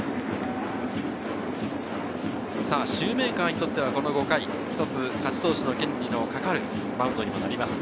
シューメーカーにとっては５回、一つ勝ち投手の権利のかかるマウンドになります。